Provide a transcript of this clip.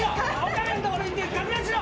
岡部のところ行ってかく乱しろ！